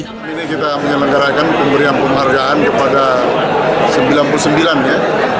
malam ini kita menyelenggarakan pemberian penghargaan kepada sembilan puluh sembilan ya